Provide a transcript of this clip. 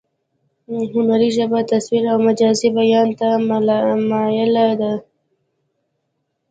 هنري ژبه تصویري او مجازي بیان ته مایله ده